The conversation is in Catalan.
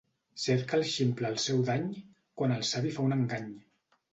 Cerca el ximple el seu dany, quan el savi fa un engany.